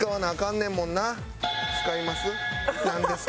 使います。